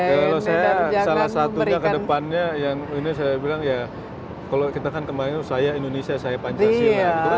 kalau saya salah satunya ke depannya yang ini saya bilang ya kalau kita kan kemarin saya indonesia saya pancasila